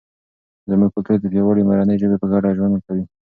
زموږ کلتور د پیاوړي مورنۍ ژبې په ګډه ژوند کوي.